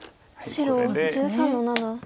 白１３の七ツギ。